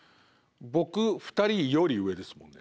僕２人より上ですもんね。